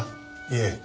いえ。